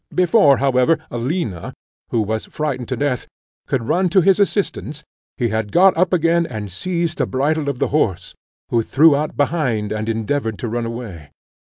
Before, however, Alina, who was frightened to death, could run to his assistance, he had got up again and seized the bridle of the horse, who threw out behind, and endeavoured to run away.